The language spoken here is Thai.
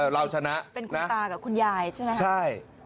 เป็นคุณตากับคุณยายใช่มั้ย